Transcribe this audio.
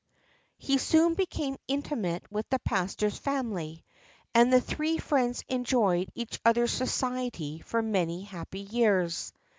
He soon became intimate with the pastor's family, and the three friends enjoyed each other's society for many happy years.